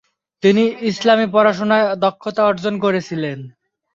তিনি ইসলামী পড়াশুনায় দক্ষতা অর্জন করেছিলেন।